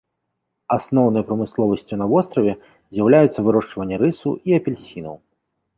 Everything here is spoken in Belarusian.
Асноўнай прамысловасцю на востраве з'яўляюцца вырошчванне рысу і апельсінаў.